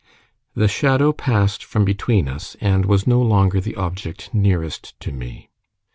The shadow passed from between us, and was no longer the object nearest to me.